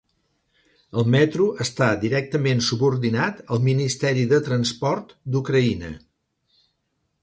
El metro està directament subordinat al Ministeri de Transport d'Ucraïna.